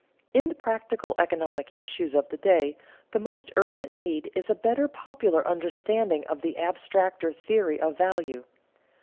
In the practical economic issues of the day, the most urgent need is a better popular understanding of the abstracter theory of value.